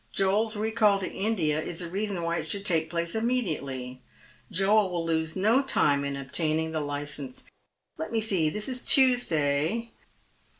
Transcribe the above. Joel's recall to India is a reason why it should take place immediately. Joel will lose no time in obtaining the licence. Let me see — this is Tuesday.